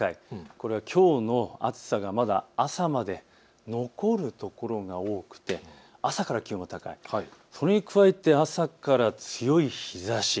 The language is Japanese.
これはきょうの暑さがまだ朝まで残るところが多くて朝から気温が高い、それに加えて朝から強い日ざし。